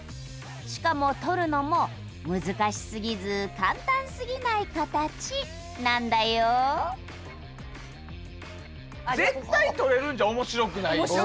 しかも取るのも難しすぎず簡単すぎないカタチなんだよ絶対取れるんじゃ面白くないし。